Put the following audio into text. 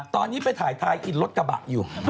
ตอนนี้ไปถ่ายทายอินรถกระบะอยู่